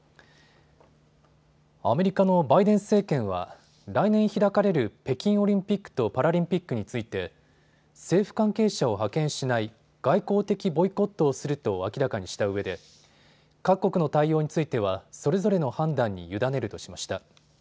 アメリカのバイデン政権は来年開かれる北京オリンピックとパラリンピックについて政府関係者を派遣しない外交的ボイコットをすると明らかにしたうえで各国の対応についてはそれぞれの判断に委ねるとしました。